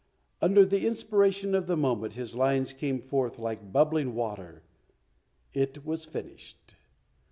Under the inspiration of the moment his lines came forth like bubbling water. It was finished.